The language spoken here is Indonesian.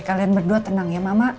kalian berdua tenang ya